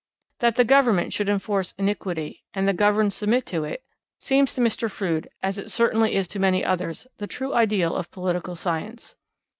That the government should enforce iniquity and the governed submit to it, seems to Mr. Froude, as it certainly is to many others, the true ideal of political science.